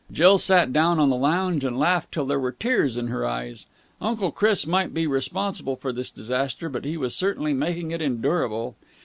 Jill sat down on the lounge and laughed till there were tears in her eyes. Uncle Chris might be responsible for this disaster, but he was certainly making it endurable.